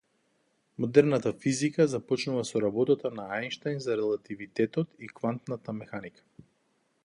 Модерната физика започнува со работата на Ајнштајн за релативитетот и квантната механика.